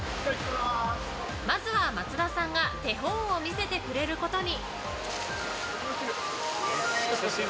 まずは、松田さんが手本を見せてくれることに。